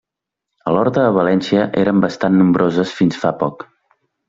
A l'Horta de València eren bastant nombroses fins fa poc.